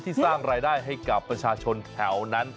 สร้างรายได้ให้กับประชาชนแถวนั้น